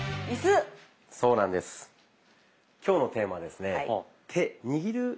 今日のテーマはですね